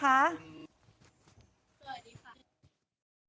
ก็ดีใจที่ได้ส่งเสริมวิชาธิปราตรายในโรงเรียน